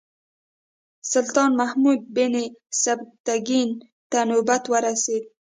سلطان محمود بن سبکتګین ته نوبت ورسېد.